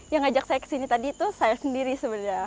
yang ngajak saya kesini tadi itu saya sendiri sebenarnya